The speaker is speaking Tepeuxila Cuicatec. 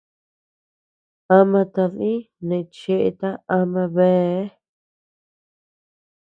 Ama tadii neʼe cheeta ama beâ.